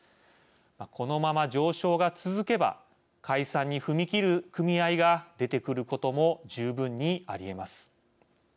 このまま上昇が続けば解散に踏み切る組合が出てくることも十分にありえます。